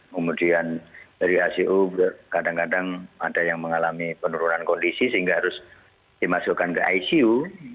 kemudian dari icu kadang kadang ada yang mengalami penurunan kondisi sehingga harus dimasukkan ke icu